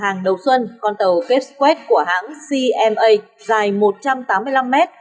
hàng đầu xuân con tàu kết quét của hãng cma dài một trăm tám mươi năm mét